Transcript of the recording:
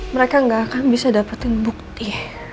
mereka nggak akan bisa dapetin bukti